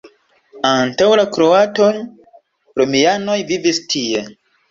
Antaŭ la kroatoj romianoj vivis tie.